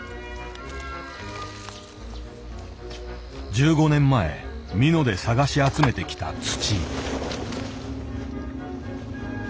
１５年前美濃で探し集めてきた土。